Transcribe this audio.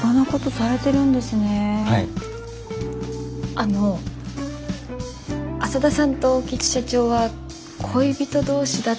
あの浅田さんと興津社長は恋人同士だって報道が。